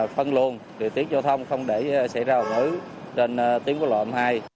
phân luồn điều tiết giao thông không để xảy ra hồi ứng trên tên tiếng quốc lộ m hai